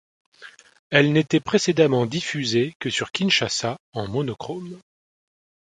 Elle n'était précédemment diffusée que sur Kinshasa en monochrome.